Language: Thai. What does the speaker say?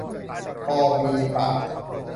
พอมีป่ะ ?